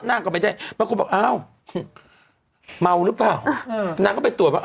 นั่งก็ไม่ได้บางคนบอกอ้าวเมาหรือเปล่านางก็ไปตรวจว่า